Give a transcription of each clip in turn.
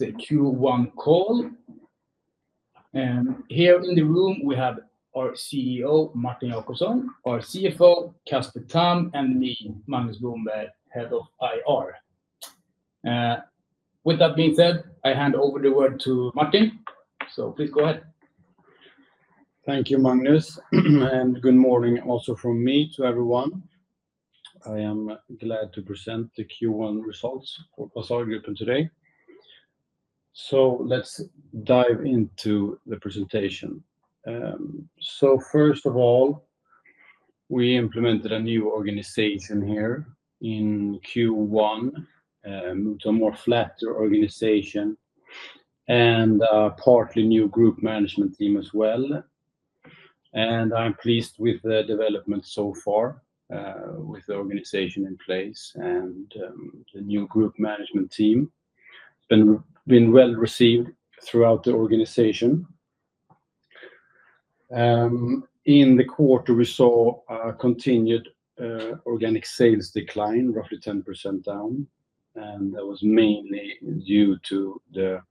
Secure one call. Here in the room, we have our CEO, Martin Jacobsson, our CFO, Casper Tamm, and me, Magnus Blomberg, Head of IR. With that being said, I hand over the word to Martin. Please go ahead. Thank you, Magnus. Good morning also from me to everyone. I am glad to present the Q1 results for Fasadgruppen Group today. Let's dive into the presentation. First of all, we implemented a new organization here in Q1, a more flat organization, and a partly new group management team as well. I am pleased with the development so far with the organization in place and the new group management team. It has been well received throughout the organization. In the quarter, we saw a continued organic sales decline, roughly 10% down. That was mainly due to the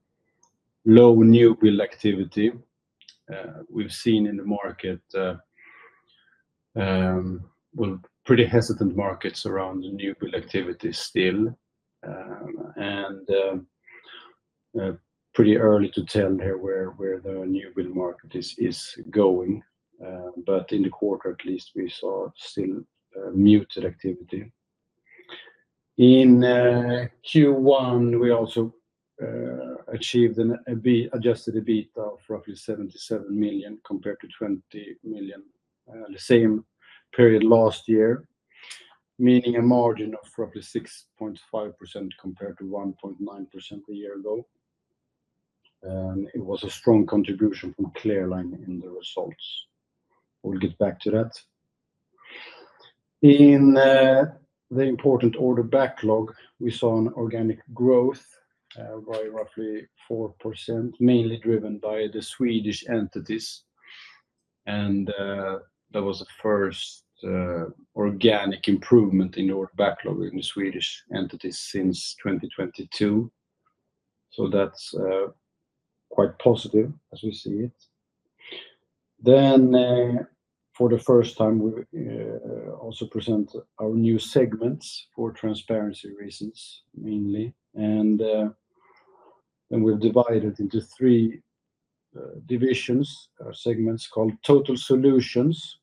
low new build activity we have seen in the market. We are pretty hesitant markets around new build activity still. It is pretty early to tell here where the new build market is going. In the quarter, at least, we saw still muted activity. In Q1, we also achieved an adjusted EBITDA of roughly 77 million compared to 20 million the same period last year, meaning a margin of roughly 6.5% compared to 1.9% a year ago. It was a strong contribution from Clearline in the results. We will get back to that. In the important order backlog, we saw an organic growth by roughly 4%, mainly driven by the Swedish entities. That was the first organic improvement in the order backlog in the Swedish entities since 2022. That is quite positive as we see it. For the first time, we also present our new segments for transparency reasons, mainly. We have divided into three divisions, our segments called Total Solutions.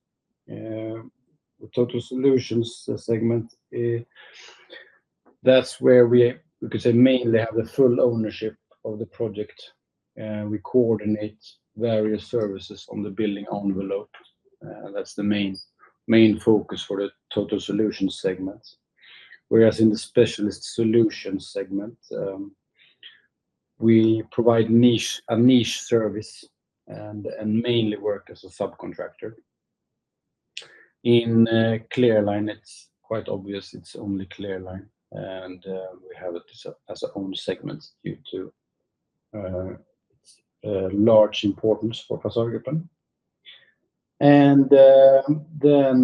The Total Solutions segment, that is where we could say mainly have the full ownership of the project. We coordinate various services on the building envelope. That's the main focus for the Total Solutions segment. Whereas in the Specialist Solutions segment, we provide a niche service and mainly work as a subcontractor. In Clearline, it's quite obvious it's only Clearline. We have it as our own segment due to its large importance for the Fasadgruppen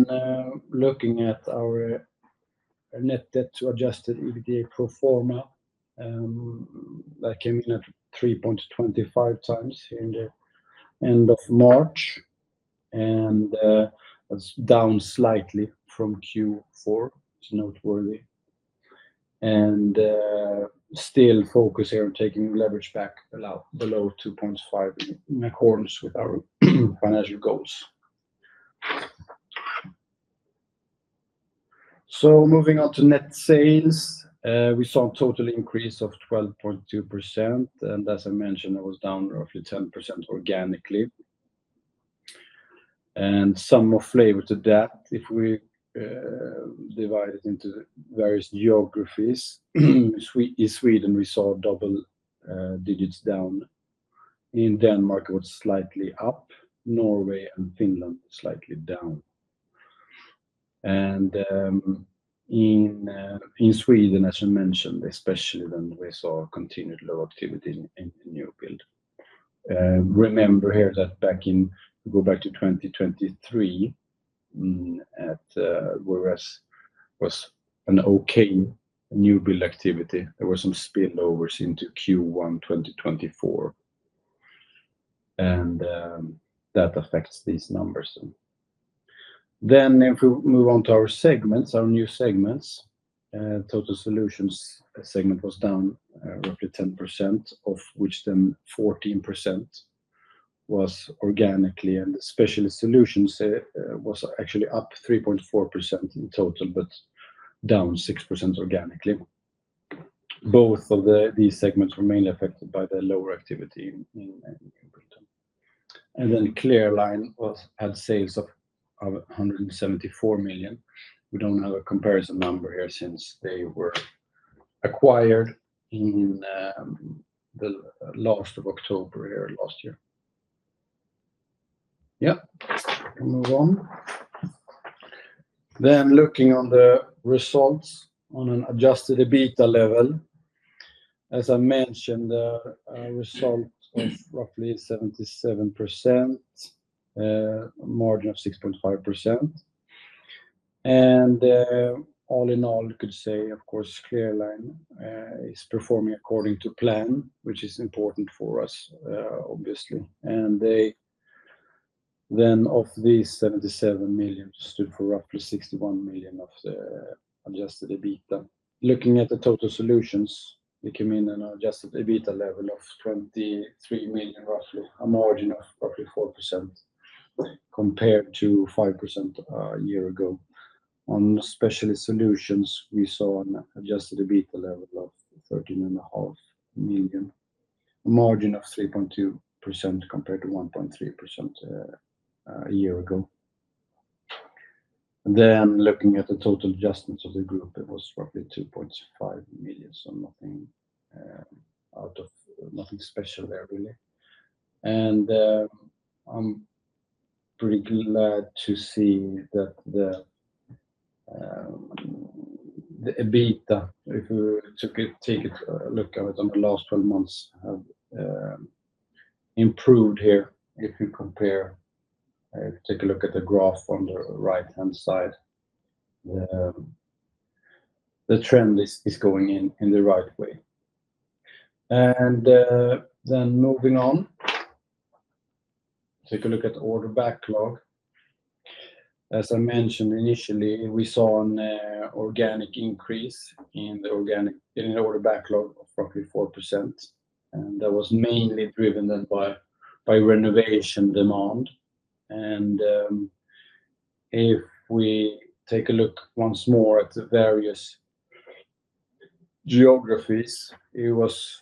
Group. Looking at our net debt to adjusted EBITDA pro forma, that came in at 3.25 times here in the end of March. It's down slightly from Q4, which is noteworthy. There is still focus here on taking leverage back below 2.5 with our financial goals. Moving on to net sales, we saw a total increase of 12.2%. As I mentioned, it was down roughly 10% organically. Some more flavor to that, if we divide it into various geographies. In Sweden, we saw double digits down. In Denmark, it was slightly up. Norway and Finland slightly down. In Sweden, as I mentioned, especially then we saw continued low activity in new build. Remember here that back in, go back to 2023, whereas it was an okay new build activity, there were some spillovers into Q1 2024. That affects these numbers. If we move on to our segments, our new segments, Total Solutions segment was down roughly 10%, of which 14% was organically. The Specialist Solutions was actually up 3.4% in total, but down 6% organically. Both of these segments were mainly affected by the lower activity in Bruton. Clearline had sales of 174 million. We do not have a comparison number here since they were acquired in the last of October last year. Yeah, we can move on. Looking on the results on an adjusted EBITDA level, as I mentioned, the result of roughly 77 million, margin of 6.5%. All in all, we could say, of course, Clearline is performing according to plan, which is important for us, obviously. Of these 77 million, it stood for roughly 61 million of the adjusted EBITDA. Looking at the Total Solutions, they came in at an adjusted EBITDA level of 23 million, roughly a margin of roughly 4% compared to 5% a year ago. On Specialist Solutions, we saw an adjusted EBITDA level of 13.5 million, a margin of 3.2% compared to 1.3% a year ago. Looking at the total adjustments of the group, it was roughly 2.5 million. Nothing special there, really. I'm pretty glad to see that the EBITDA, if we take a look at it on the last 12 months, has improved here. If you compare, if you take a look at the graph on the right-hand side, the trend is going in the right way. Moving on, take a look at the order backlog. As I mentioned initially, we saw an organic increase in the order backlog of roughly 4%. That was mainly driven then by renovation demand. If we take a look once more at the various geographies, it was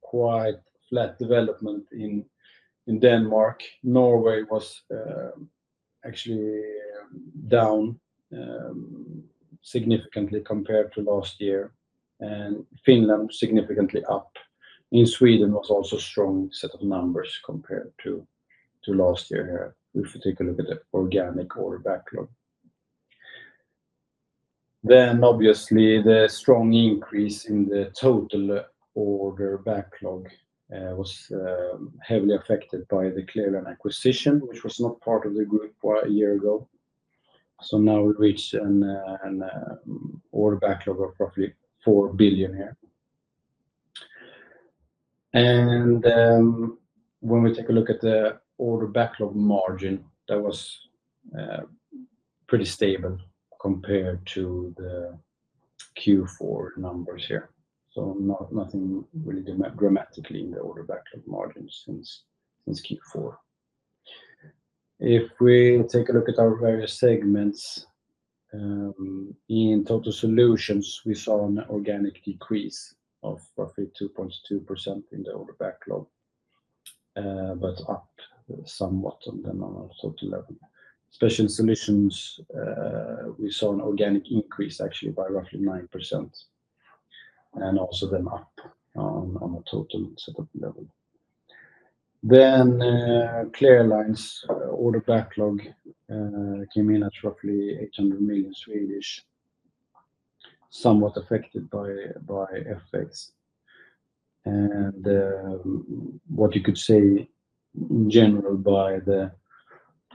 quite flat development in Denmark. Norway was actually down significantly compared to last year. Finland was significantly up. In Sweden, it was also a strong set of numbers compared to last year here, if you take a look at the organic order backlog. Obviously, the strong increase in the total order backlog was heavily affected by the Clearline acquisition, which was not part of the group a year ago. Now we reached an order backlog of roughly 4 billion here. When we take a look at the order backlog margin, that was pretty stable compared to the Q4 numbers here. Nothing really dramatic in the order backlog margin since Q4. If we take a look at our various segments, in Total Solutions, we saw an organic decrease of roughly 2.2% in the order backlog, but up somewhat on the normal total level. Specialist Solutions, we saw an organic increase actually by roughly 9%. Also up on a total setup level. Clearline's order backlog came in at roughly 800 million, somewhat affected by FX. What you could say in general is that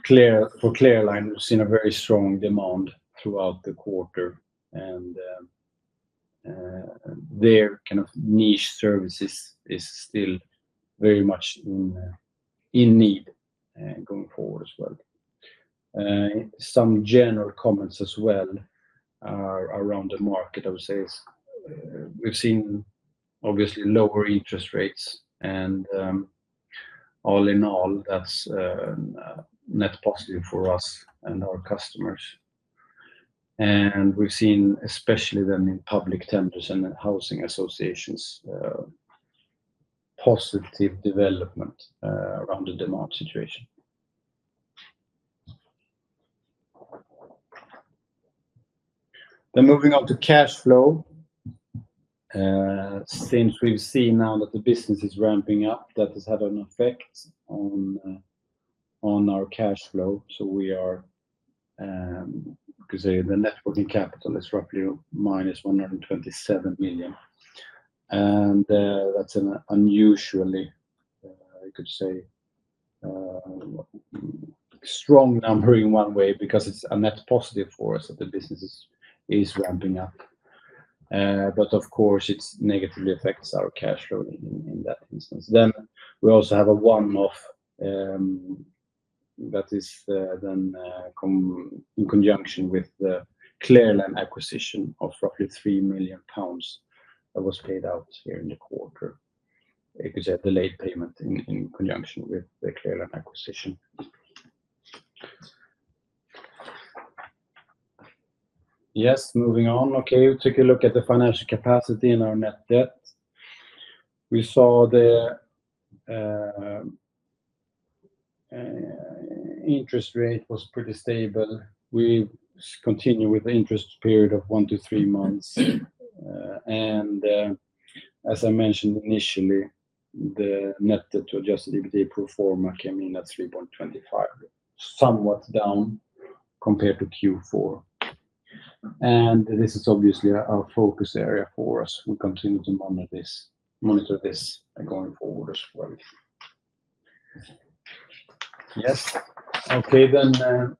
Clearline was seeing very strong demand throughout the quarter. Their kind of niche services is still very much in need going forward as well. Some general comments as well around the market, I would say, is we've seen obviously lower interest rates. All in all, that's net positive for us and our customers. We've seen, especially in public tenders and housing associations, positive development around the demand situation. Moving on to cash flow. Since we've seen now that the business is ramping up, that has had an effect on our cash flow. You could say the working capital is roughly -127 million. That's an unusually, you could say, strong number in one way because it's a net positive for us that the business is ramping up. Of course, it negatively affects our cash flow in that instance. Then we also have a one-off that is in conjunction with the Clearline acquisition of roughly 3 million pounds that was paid out here in the quarter. You could say a delayed payment in conjunction with the Clearline acquisition. Yes, moving on. Okay, we took a look at the financial capacity and our net debt. We saw the interest rate was pretty stable. We continued with the interest period of one to three months. As I mentioned initially, the net debt to adjusted EBITDA pro forma came in at 3.25, somewhat down compared to Q4. This is obviously a focus area for us. We continue to monitor this going forward as well. Yes. Okay, then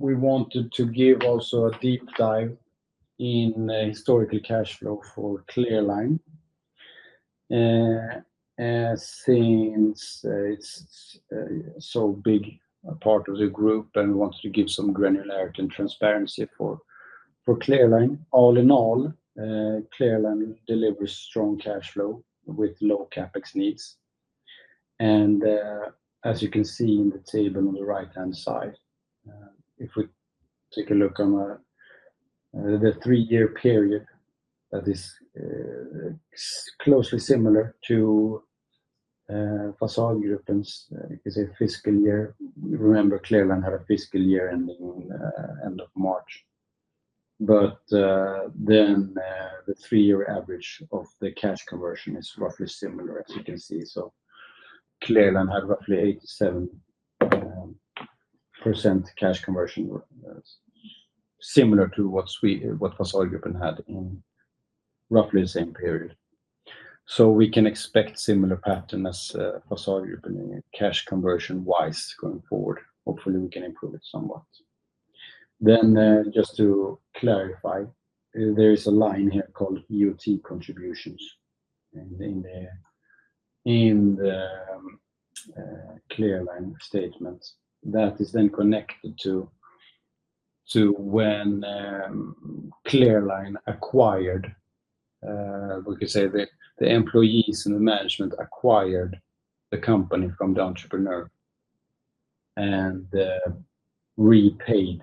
we wanted to give also a deep dive in historical cash flow for Clearline. Since it is so big a part of the group, and we wanted to give some granularity and transparency for Clearline. All in all, Clearline delivers strong cash flow with low CapEx needs. As you can see in the table on the right-hand side, if we take a look on the three-year period, that is closely similar to Fasadgruppen's fiscal year. Remember, Clearline had a fiscal year ending in the end of March. The three-year average of the cash conversion is roughly similar, as you can see. Clearline had roughly 87% cash conversion, similar to what Fasadgruppen had in roughly the same period. We can expect similar pattern as Fasadgruppen in cash conversion-wise going forward. Hopefully, we can improve it somewhat. Just to clarify, there is a line here called EUT contributions in the Clearline statement. That is then connected to when Clearline acquired, we could say the employees and the management acquired the company from the entrepreneur and repaid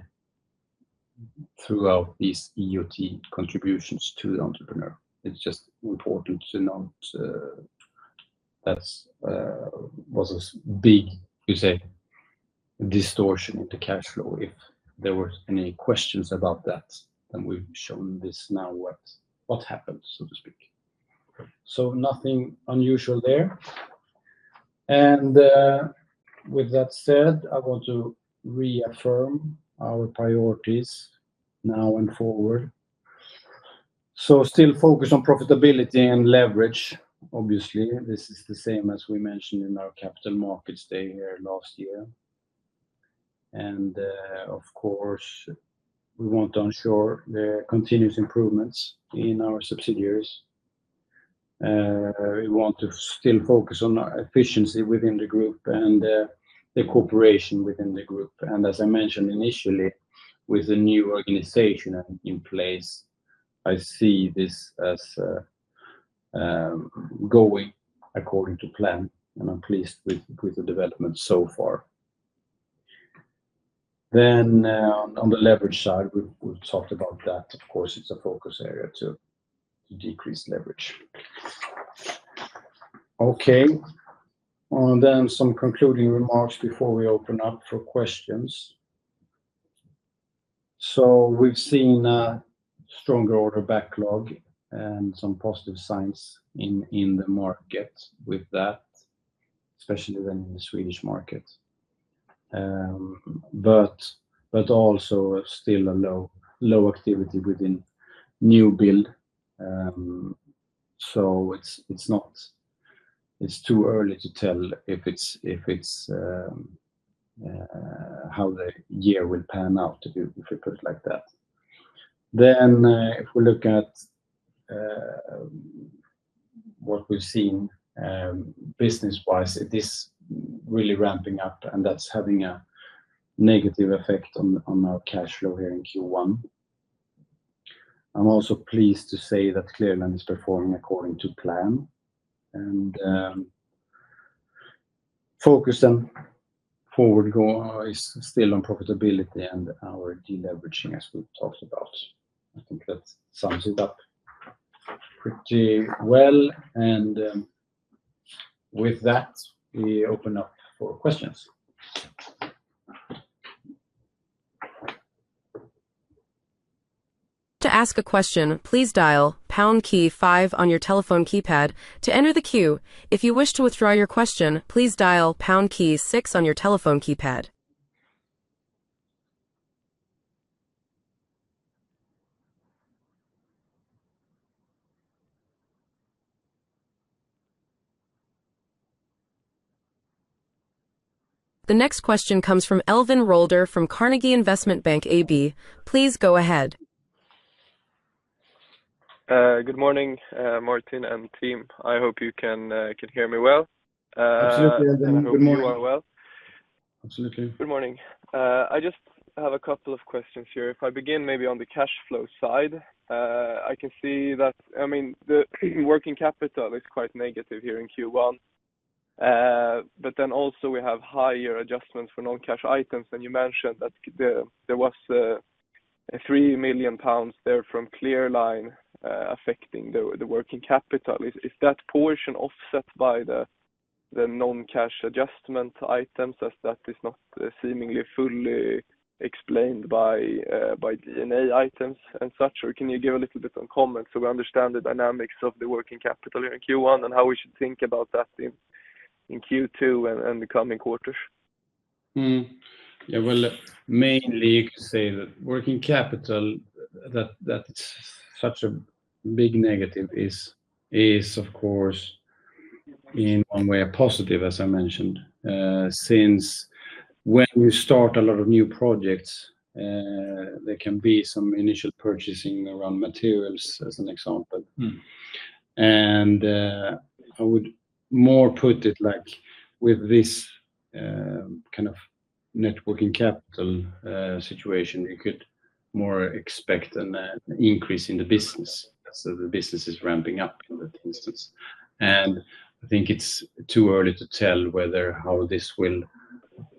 throughout these EUT contributions to the entrepreneur. It's just important to note that was a big, you could say, distortion in the cash flow. If there were any questions about that, then we've shown this now what happened, so to speak. Nothing unusual there. With that said, I want to reaffirm our priorities now and forward. Still focus on profitability and leverage, obviously. This is the same as we mentioned in our capital markets day here last year. Of course, we want to ensure the continuous improvements in our subsidiaries. We want to still focus on efficiency within the group and the cooperation within the group. As I mentioned initially, with the new organization in place, I see this as going according to plan. I am pleased with the development so far. On the leverage side, we have talked about that. Of course, it is a focus area to decrease leverage. Okay. Some concluding remarks before we open up for questions. We have seen a stronger order backlog and some positive signs in the market with that, especially in the Swedish market. There is still low activity within new build. It is too early to tell how the year will pan out, if you put it like that. If we look at what we have seen business-wise, it is really ramping up, and that is having a negative effect on our cash flow here in Q1. I am also pleased to say that Clearline is performing according to plan. Focus then forward is still on profitability and our deleveraging, as we talked about. I think that sums it up pretty well. With that, we open up for questions. To ask a question, please dial pound key five on your telephone keypad to enter the queue. If you wish to withdraw your question, please dial pound key six on your telephone keypad. The next question comes from Elvin Rolder from Carnegie Investment Bank AB. Please go ahead. Good morning, Martin and team. I hope you can hear me well. Absolutely. Good morning. Everything's going well. Absolutely. Good morning. I just have a couple of questions here. If I begin maybe on the cash flow side, I can see that, I mean, the working capital is quite negative here in Q1. I can also see we have higher adjustments for non-cash items. You mentioned that there was a 3 million pounds there from Clearline affecting the working capital. Is that portion offset by the non-cash adjustment items as that is not seemingly fully explained by D&A items and such? Can you give a little bit of comment so we understand the dynamics of the working capital here in Q1 and how we should think about that in Q2 and the coming quarters? Yeah, mainly you could say that working capital, that's such a big negative, is of course in one way a positive, as I mentioned. Since when you start a lot of new projects, there can be some initial purchasing around materials, as an example. I would more put it like with this kind of working capital situation, you could more expect an increase in the business. The business is ramping up in that instance. I think it's too early to tell whether how this will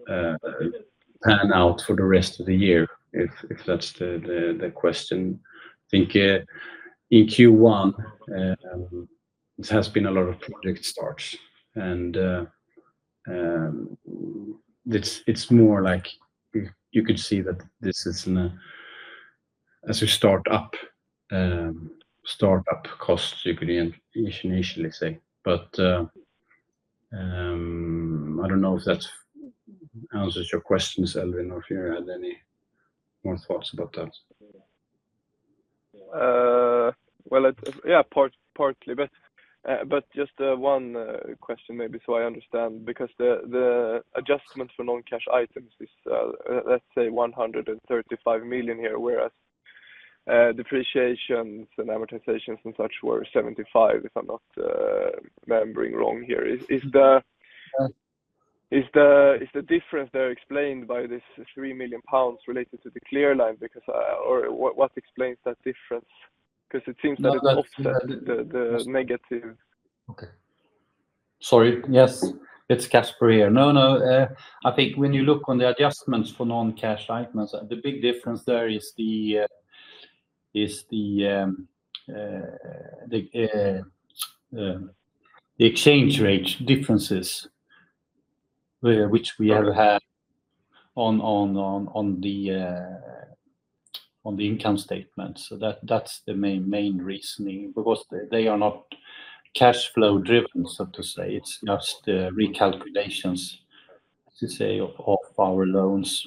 pan out for the rest of the year, if that's the question. I think in Q1, there has been a lot of project starts. It's more like you could see that this is as a startup cost, you could initially say. I don't know if that answers your questions, Elvin, or if you had any more thoughts about that. Yeah, partly, but just one question maybe so I understand. Because the adjustment for non-cash items is, let's say, 135 million here, whereas depreciations and amortizations and such were 75 million, if I'm not remembering wrong here. Is the difference there explained by this 3 million pounds related to Clearline? Or what explains that difference? Because it seems that it's offset, the negative. Okay. Sorry. Yes, it's Casper here. No, no. I think when you look on the adjustments for non-cash items, the big difference there is the exchange rate differences which we have had on the income statements. That is the main reasoning because they are not cash flow driven, so to say. It's just recalculations, as you say, of our loans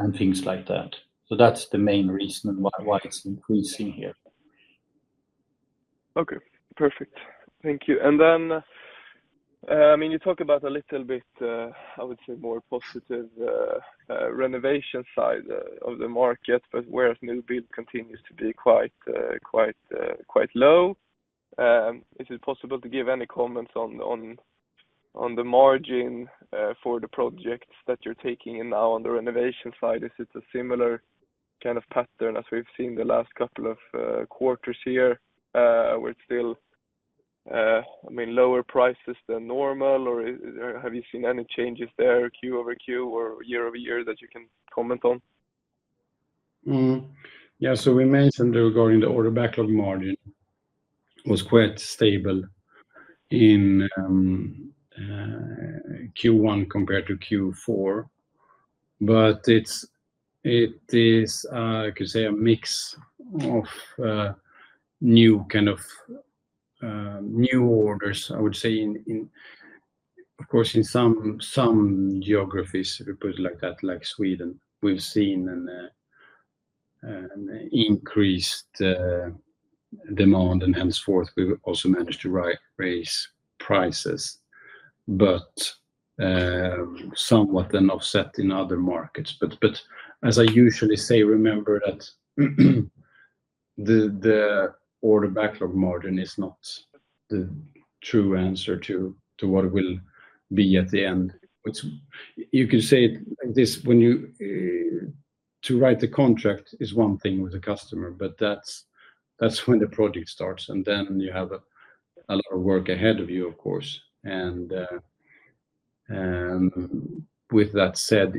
and things like that. That is the main reason why it's increasing here. Okay. Perfect. Thank you. I mean, you talked about a little bit, I would say, more positive renovation side of the market, whereas new build continues to be quite low. Is it possible to give any comments on the margin for the projects that you're taking in now on the renovation side? Is it a similar kind of pattern as we've seen the last couple of quarters here where it's still, I mean, lower prices than normal? Or have you seen any changes there, Q over Q or year over year that you can comment on? Yeah. We mentioned regarding the order backlog margin was quite stable in Q1 compared to Q4. It is, I could say, a mix of new kind of new orders, I would say. Of course, in some geographies, if you put it like that, like Sweden, we've seen an increased demand and henceforth we've also managed to raise prices, but somewhat then offset in other markets. As I usually say, remember that the order backlog margin is not the true answer to what will be at the end. You could say this when you write the contract is one thing with a customer, but that's when the project starts. You have a lot of work ahead of you, of course. With that said,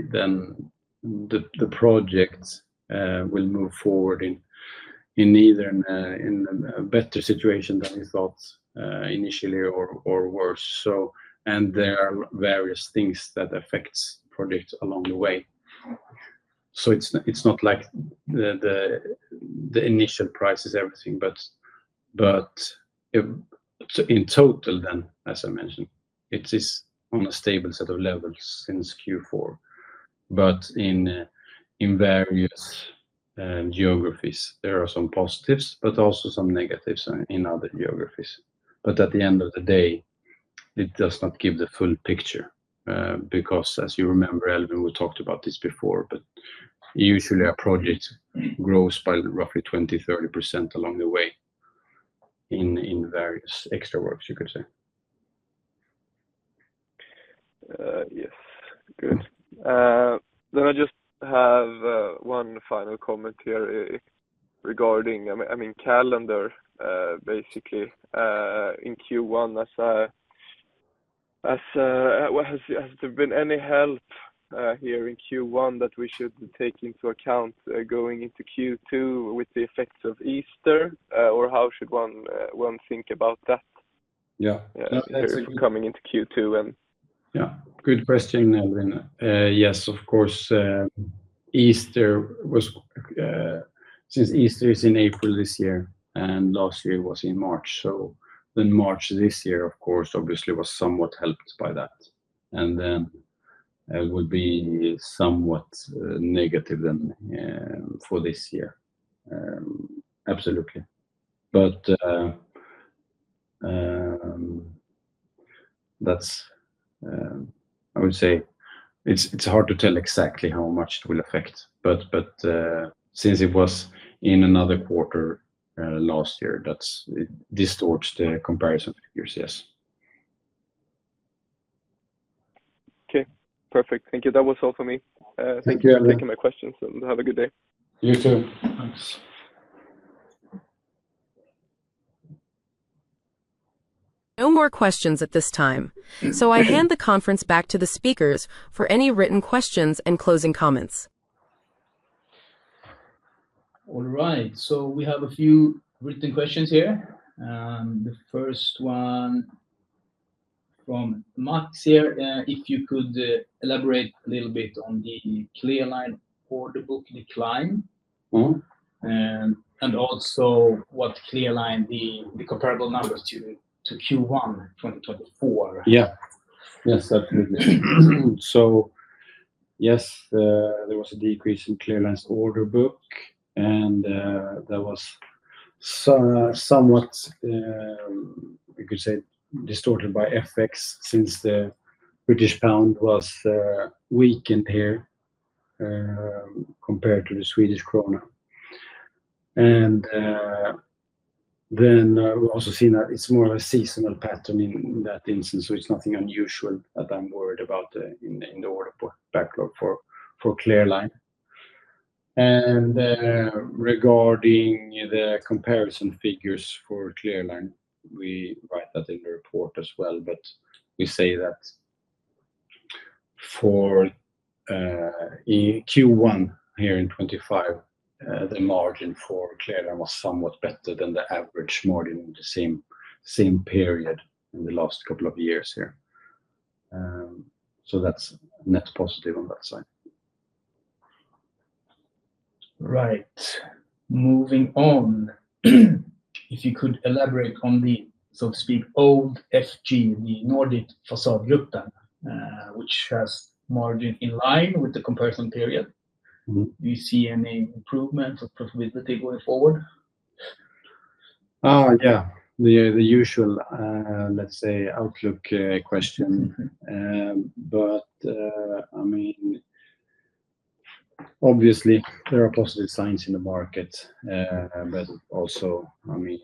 the project will move forward in either a better situation than you thought initially or worse. There are various things that affect projects along the way. It is not like the initial price is everything, but in total then, as I mentioned, it is on a stable set of levels since Q4. In various geographies, there are some positives, but also some negatives in other geographies. At the end of the day, it does not give the full picture because, as you remember, Elvin, we talked about this before, but usually a project grows by roughly 20-30% along the way in various extra works, you could say. Yes. Good. I just have one final comment here regarding, I mean, calendar basically in Q1. Has there been any help here in Q1 that we should take into account going into Q2 with the effects of Easter? Or how should one think about that coming into Q2? Yeah. Good question, Elvin. Yes, of course. Since Easter is in April this year and last year it was in March, March this year, of course, obviously was somewhat helped by that. It would be somewhat negative then for this year, absolutely. I would say it's hard to tell exactly how much it will affect. Since it was in another quarter last year, that distorts the comparison figures, yes. Okay. Perfect. Thank you. That was all for me. Thank you for taking my questions and have a good day. You too. Thanks. No more questions at this time. I hand the conference back to the speakers for any written questions and closing comments. All right. We have a few written questions here. The first one from Max here. If you could elaborate a little bit on the Clearline order book decline and also what Clearline the comparable numbers to Q1 2024. Yeah. Yes, absolutely. Yes, there was a decrease in Clearline's order book. That was somewhat, you could say, distorted by FX since the British pound was weakened here compared to the Swedish krona. We also see that it is more of a seasonal pattern in that instance. It is nothing unusual that I am worried about in the order book backlog for Clearline. Regarding the comparison figures for Clearline, we write that in the report as well. We say that for Q1 here in 2025, the margin for Clearline was somewhat better than the average margin in the same period in the last couple of years here. That is net positive on that side. Right. Moving on, if you could elaborate on the, so to speak, old FG, the Nordic Fasadgruppen, which has margin in line with the comparison period. Do you see any improvement of profitability going forward? Yeah. The usual, let's say, outlook question. I mean, obviously, there are positive signs in the market, but also, I mean,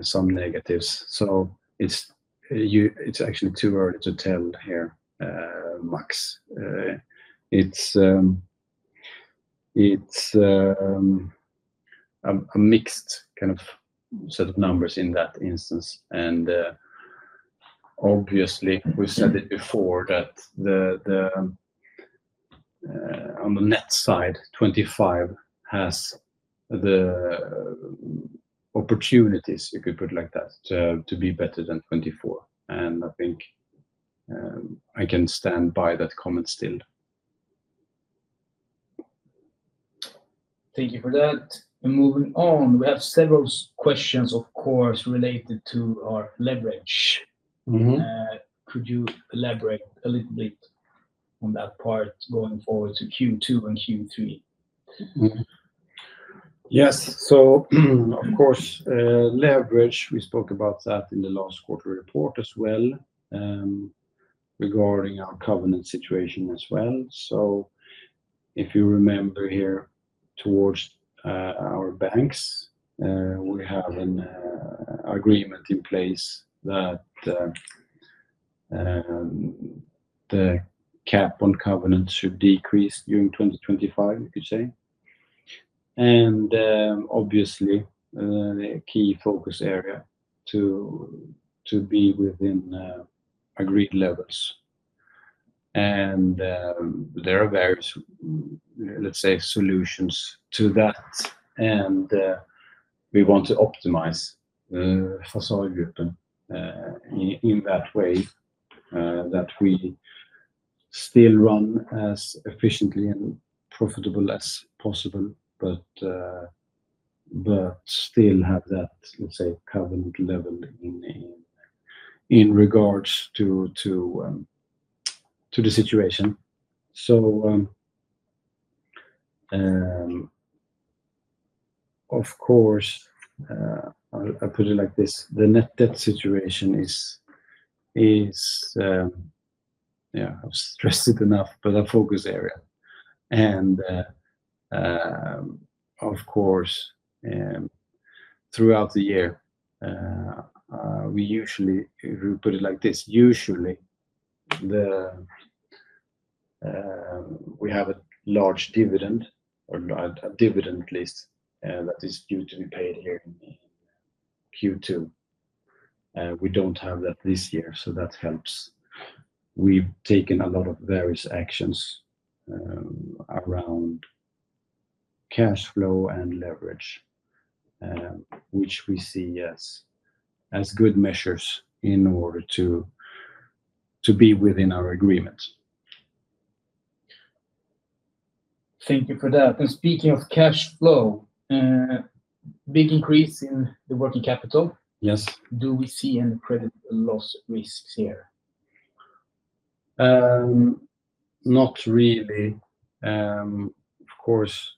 some negatives. It's actually too early to tell here, Max. It's a mixed kind of set of numbers in that instance. Obviously, we said it before that on the net side, 2025 has the opportunities, if you put it like that, to be better than 2024. I think I can stand by that comment still. Thank you for that. Moving on, we have several questions, of course, related to our leverage. Could you elaborate a little bit on that part going forward to Q2 and Q3? Yes. Of course, leverage, we spoke about that in the last quarter report as well regarding our covenant situation as well. If you remember here, towards our banks, we have an agreement in place that the cap on covenants should decrease during 2025, you could say. Obviously, a key focus area to be within agreed levels. There are various, let's say, solutions to that. We want to optimize Fasadgruppen in that way that we still run as efficiently and profitably as possible, but still have that, let's say, covenant level in regards to the situation. I'll put it like this. The net debt situation is, yeah, I've stressed it enough, but a focus area. Throughout the year, we usually put it like this. Usually, we have a large dividend or a dividend list that is due to be paid here in Q2. We do not have that this year, so that helps. We have taken a lot of various actions around cash flow and leverage, which we see as good measures in order to be within our agreement. Thank you for that. Speaking of cash flow, big increase in the working capital. Do we see any credit loss risks here? Not really. Of course,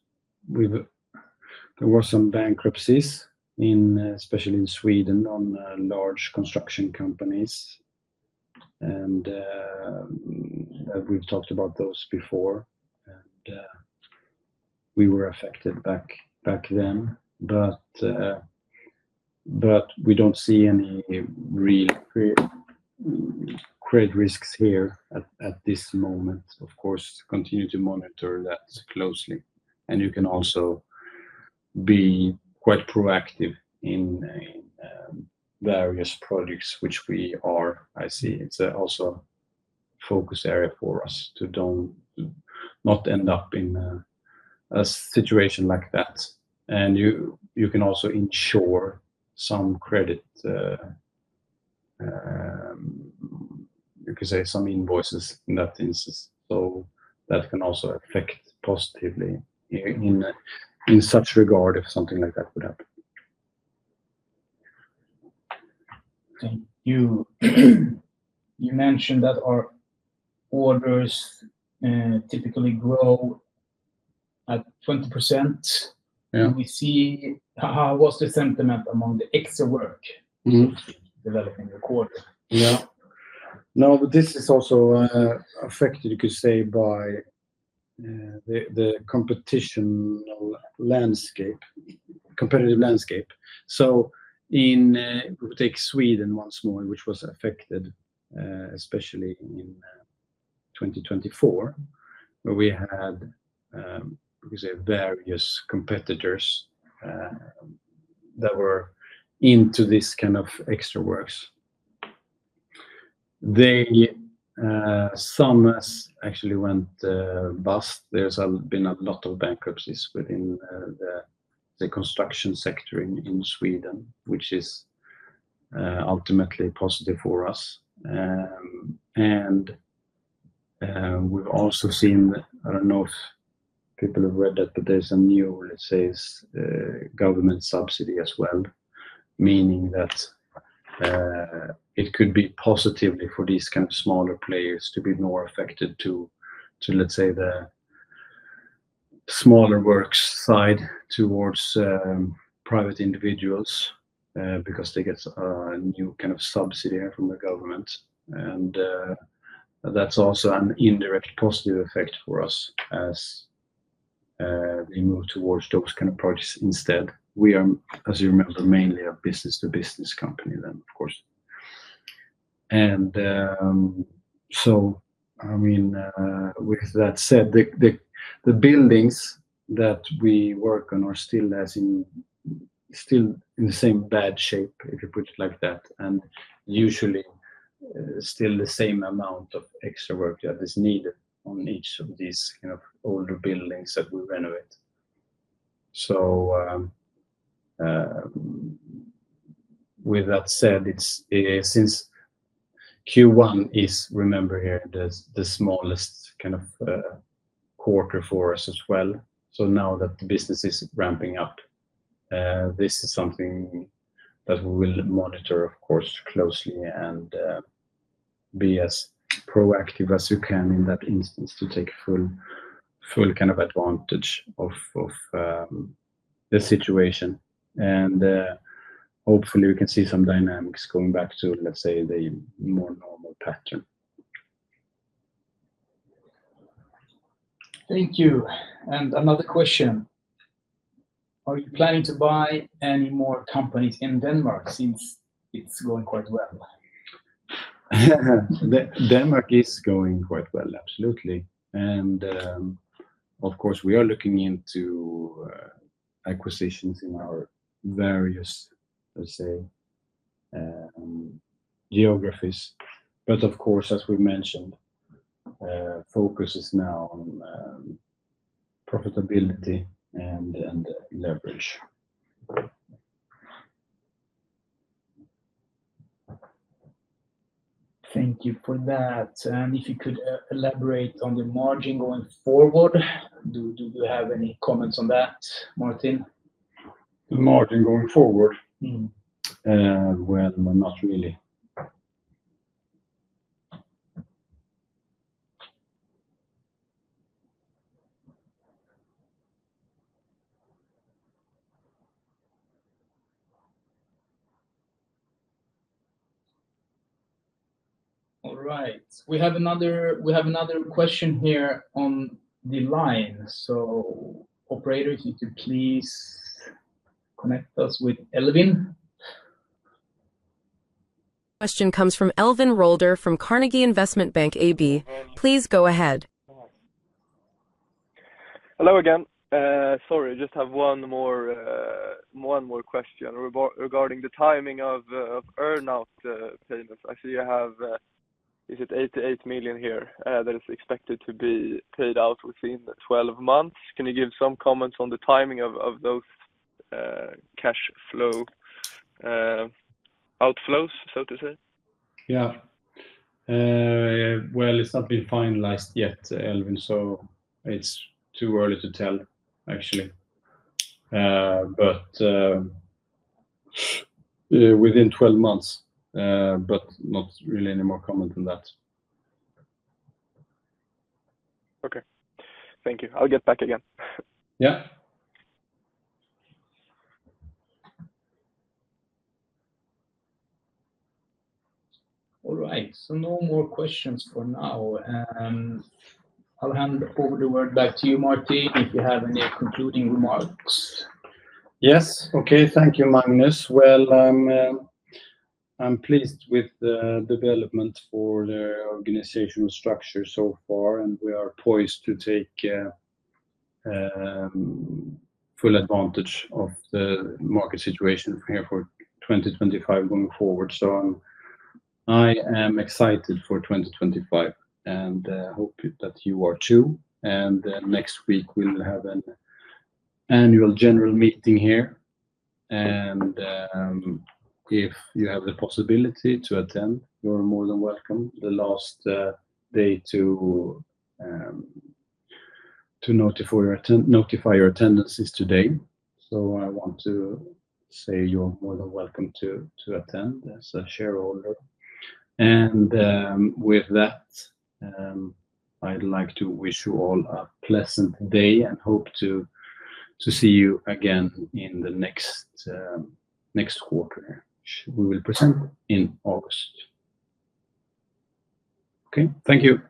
there were some bankruptcies, especially in Sweden, on large construction companies. We have talked about those before. We were affected back then. We do not see any real credit risks here at this moment. Of course, we continue to monitor that closely. You can also be quite proactive in various projects, which we are, I see. It is also a focus area for us to not end up in a situation like that. You can also insure some credit, you could say, some invoices in that instance. That can also affect positively in such regard if something like that would happen. Thank you. You mentioned that our orders typically grow at 20%. Do we see how was the sentiment among the extra work developing the quarter? Yeah. No, but this is also affected, you could say, by the competition landscape, competitive landscape. If we take Sweden once more, which was affected, especially in 2024, where we had, you could say, various competitors that were into this kind of extra works. Some actually went bust. There have been a lot of bankruptcies within the construction sector in Sweden, which is ultimately positive for us. We have also seen, I do not know if people have read that, but there is a new, let's say, government subsidy as well, meaning that it could be positive for these kind of smaller players to be more affected to, let's say, the smaller works side towards private individuals because they get a new kind of subsidy from the government. That is also an indirect positive effect for us as we move towards those kind of projects instead. We are, as you remember, mainly a business-to-business company then, of course. I mean, with that said, the buildings that we work on are still in the same bad shape, if you put it like that. Usually, still the same amount of extra work that is needed on each of these kind of older buildings that we renovate. With that said, since Q1 is, remember here, the smallest kind of quarter for us as well. Now that the business is ramping up, this is something that we will monitor, of course, closely and be as proactive as you can in that instance to take full kind of advantage of the situation. Hopefully, we can see some dynamics going back to, let's say, the more normal pattern. Thank you. Another question. Are you planning to buy any more companies in Denmark since it is going quite well? Denmark is going quite well, absolutely. Of course, we are looking into acquisitions in our various, let's say, geographies. Of course, as we mentioned, focus is now on profitability and leverage. Thank you for that. If you could elaborate on the margin going forward, do you have any comments on that, Martin? The margin going forward. Mm-hmm. Not really. All right. We have another question here on the line. Operator, if you could please connect us with Elvin. Question comes from Elvin Rolder from Carnegie Investment Bank AB. Please go ahead. Hello again. Sorry, I just have one more question regarding the timing of earn-out payments. I see you have, is it 88 million here that is expected to be paid out within 12 months? Can you give some comments on the timing of those cash flow outflows, so to say? Yeah. It's not been finalized yet, Elvin, so it's too early to tell, actually. Within 12 months, but not really any more comment on that. Okay. Thank you. I'll get back again. Yeah. All right. So no more questions for now. I'll hand over the word back to you, Martin, if you have any concluding remarks. Yes. Okay. Thank you, Magnus. I am pleased with the development for the organizational structure so far. We are poised to take full advantage of the market situation here for 2025 going forward. I am excited for 2025 and hope that you are too. Next week, we will have an annual general meeting here. If you have the possibility to attend, you are more than welcome. The last day to notify your attendance is today. I want to say you are more than welcome to attend as a shareholder. With that, I would like to wish you all a pleasant day and hope to see you again in the next quarter, which we will present in August. Okay. Thank you.